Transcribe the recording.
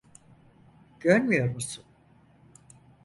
Görmüyor musun?